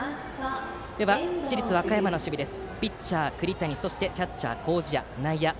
では、市立和歌山の守備です。